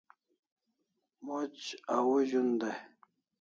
Moch au zun dai